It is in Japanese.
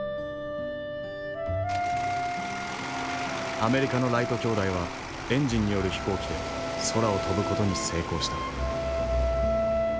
アメリカのライト兄弟はエンジンによる飛行機で空を飛ぶ事に成功した。